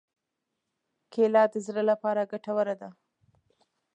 کېله د زړه لپاره ګټوره ده.